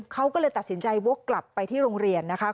เขาก็เลยตัดสินใจวกกลับไปที่โรงเรียนนะคะ